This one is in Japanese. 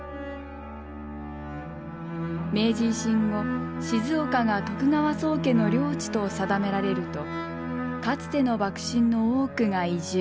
明治維新後静岡が徳川宗家の領地と定められるとかつての幕臣の多くが移住。